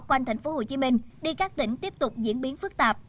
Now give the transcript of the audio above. quanh thành phố hồ chí minh đi các tỉnh tiếp tục diễn biến phức tạp